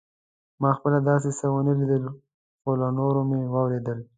ما خپله داسې څه ونه لیدل خو له نورو مې واورېدل.